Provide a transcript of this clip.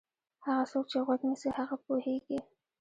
هغه څوک چې غوږ نیسي هغه پوهېږي.